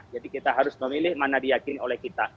jadi kita harus memilih mana yang diyakini oleh kita